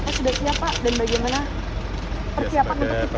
bapak sudah siap pak dan bagaimana persiapan untuk dpr